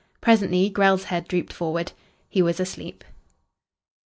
Presently Grell's head drooped forward. He was asleep.